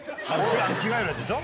着替えるやつでしょ？